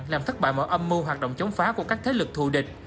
làm thất bại mọi âm mưu hoạt động chống phá của các thế lực thù địch